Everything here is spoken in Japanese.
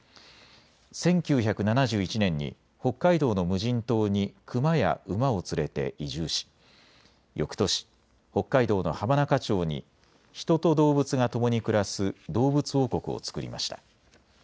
１９７１年に北海道の無人島に熊や馬を連れて移住し、よくとし北海道の浜中町に人と動物がともに暮らす動物王国を作りました。